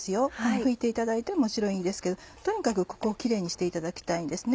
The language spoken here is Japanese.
拭いていただいてももちろんいいですけどとにかくここをキレイにしていただきたいんですね。